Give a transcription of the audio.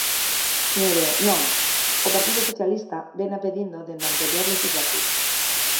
Mire, non, o Partido Socialista véna pedindo dende a anterior lexislatura.